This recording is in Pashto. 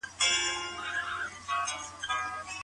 ايا انلاين زده کړه د ځان زده کړې مهارت لوړوي؟